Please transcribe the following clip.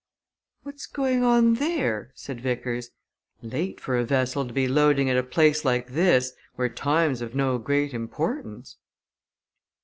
"What's going on there?" said Vickers. "Late for a vessel to be loading at a place like this where time's of no great importance."